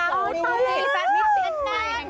สวัสดีสัตว์มิตรแน่น